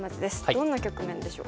どんな局面でしょうか。